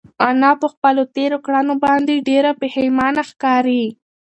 انا په خپلو تېرو کړنو باندې ډېره پښېمانه ښکاري.